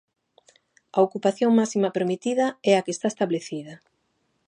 A ocupación máxima permitida é a que está establecida...